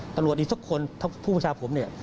ตำรวจอีกสักคนถ้าผู้ประชาผมเนี่ย